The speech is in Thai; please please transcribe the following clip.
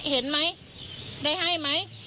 เห็นไหมได้ให้ไหม